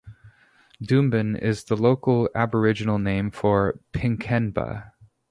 Doomben is the local Aboriginal name for Pinkenba.